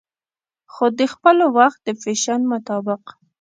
خو دخپل وخت د فېشن مطابق